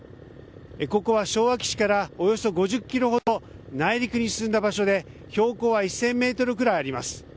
ここは昭和基地からおよそ５０ｋｍほど内陸に進んだ場所で標高は１０００ｍくらいあります。